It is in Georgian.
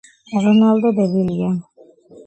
რონალდო დებილია